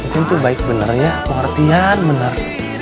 tin tuh baik bener ya pengertian bener